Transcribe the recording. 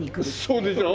そうでしょう？